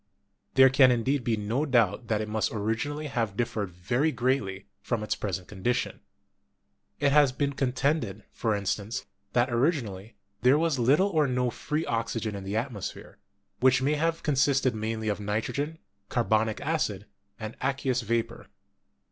There can indeed be no doubt that it must originally have differed very greatly from its pres ent condition. It has been contended, for instance, that originally there was little or no free oxygen in the at mosphere, which may have consisted mainly of nitrogen, carbonic acid, and aqueous vapor.